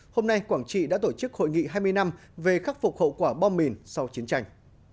hôm nay quảng trị đã tổ chức hội nghị hai mươi năm về khắc phục hậu quả bom mìn sau chiến tranh